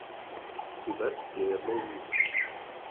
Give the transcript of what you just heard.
Tibet je jednou z nich.